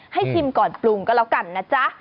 ชิมก่อนปรุงก็แล้วกันนะจ๊ะ